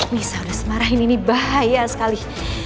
nisa udah semarahin ini ini bahaya sekali